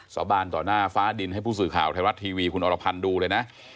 สาบานต่อหน้าฟ้าดินให้ผู้สื่อข่าวไทยรัฐทีวีคุณอรพันธ์ดูเลยนะ